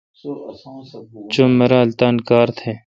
چو مرال تان کار تھ۔